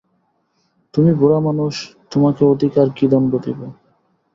তুমি বুড়ামানুষ, তোমাকে অধিক আর কী দণ্ড দিব।